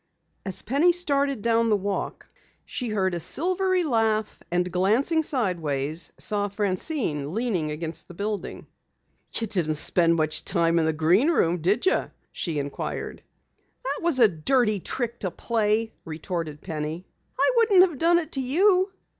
As Penny started down the walk she heard a silvery laugh, and glancing sideways, saw Francine leaning against the building. "You didn't spend much time in the Green Room, did you?" she inquired. "That was a dirty trick to play!" retorted Penny. "I wouldn't have done it to you."